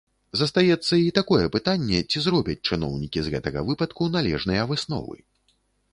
Застаецца і такое пытанне, ці зробяць чыноўнікі з гэтага выпадку належныя высновы.